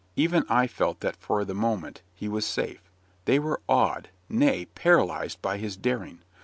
Even I felt that for the moment he was safe. They were awed nay, paralyzed, by his daring.